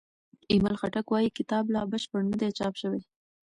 ایمل خټک وايي کتاب لا بشپړ نه دی چاپ شوی.